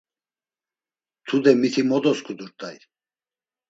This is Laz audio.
Tude miti mo dosǩudurt̆ay.